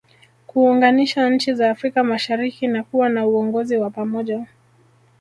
Kuunganisha nchi za Afrika mashariki na kuwa na uongozi wa pamoja